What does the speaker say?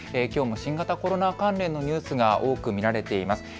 きょうも新型コロナ関連のニュースが多く見られています。